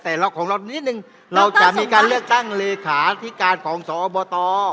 แต่ของเรานิดนึงเราจะมีการเลือกตั้งเลขาที่การของสอบต